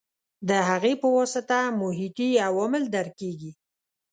د هغې په واسطه محیطي عوامل درک کېږي.